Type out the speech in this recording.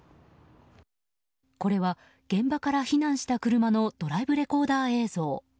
これは現場から避難した車のドライブレコーダー映像。